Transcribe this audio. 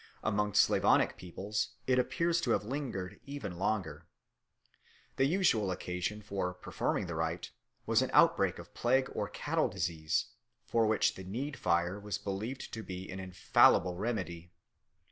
Among Slavonic peoples it appears to have lingered even longer. The usual occasion for performing the rite was an outbreak of plague or cattle disease, for which the need fire was believed to be an infallible remedy.